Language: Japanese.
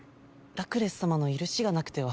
ラクレス様の許しがなくては。